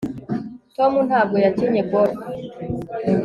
tom ntabwo yakinnye golf